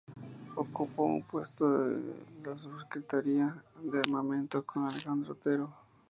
Ocupó un puesto en la Subsecretaría de Armamento con Alejandro Otero.